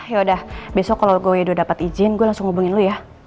yaudah besok kalo gue udah dapet izin gue langsung hubungin lo ya